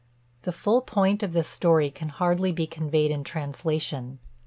The full point of this story can hardly be conveyed in translation.